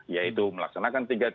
yaitu melaksanakan tiga t